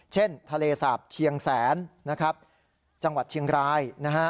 เช่นทะเลสาปเชียงแสนจังหวัดเชียงราย